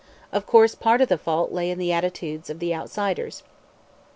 Of course part of the fault lay in the attitudes of outsiders.